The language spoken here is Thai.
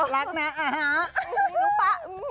รักนะอ่ะฮะ